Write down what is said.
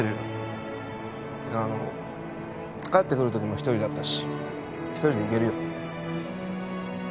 帰ってくるときも一人だったし一人で行けるよ。